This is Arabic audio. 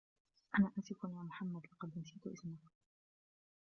أنا آسف يا محمد ، لقد نسيت اسمك!